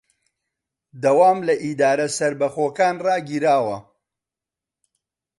دەوام لە ئیدارە سەربەخۆکان ڕاگیراوە